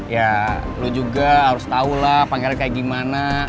ya lo juga harus tau lah pangeran kayak gimana